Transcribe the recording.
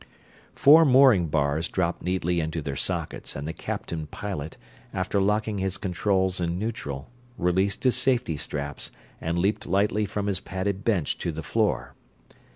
Four mooring bars dropped neatly into their sockets and the captain pilot, after locking his controls in neutral, released his safety straps and leaped lightly from his padded bench to the floor.